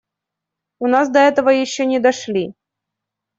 У нас до этого еще не дошли.